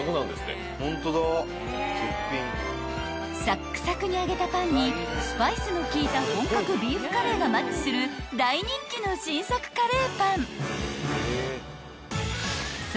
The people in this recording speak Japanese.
［サックサクに揚げたパンにスパイスの効いた本格ビーフカレーがマッチする大人気の新作カレーパン］